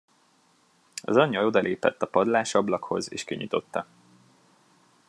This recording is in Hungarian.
Az anyja odalépett a padlásablakhoz, és kinyitotta.